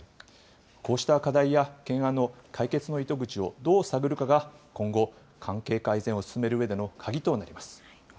こうした課題や懸案の解決の糸口をどう探るかが今後、関係改善を進めるうえでの鍵となります。